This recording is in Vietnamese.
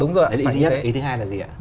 đúng rồi đấy là ý thứ nhất ý thứ hai là gì ạ